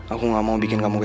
aku gak mau bikin kamu